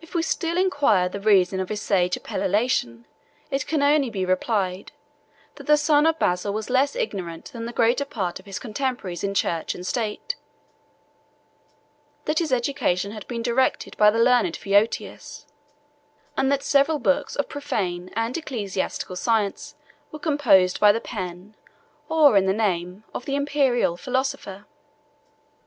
If we still inquire the reason of his sage appellation, it can only be replied, that the son of Basil was less ignorant than the greater part of his contemporaries in church and state; that his education had been directed by the learned Photius; and that several books of profane and ecclesiastical science were composed by the pen, or in the name, of the Imperial philosopher.